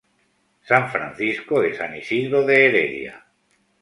San Francisco de San Isidro de Heredia.